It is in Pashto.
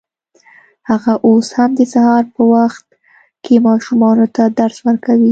هغه اوس هم د سهار په وخت کې ماشومانو ته درس ورکوي